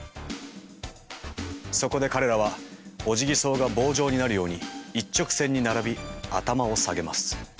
そこで彼らはオジギソウが棒状になるように一直線に並び頭を下げます。